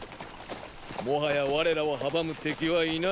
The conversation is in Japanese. もはや我らを阻む敵はいない。